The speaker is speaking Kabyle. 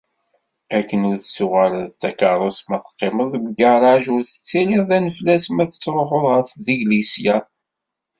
Akken ur tettuɣaleḍ d takeṛṛust ma teqqimeḍ deg ugaraj i ur tettiliḍ d anaflas ma tettruḥeḍ ɣer teglisya.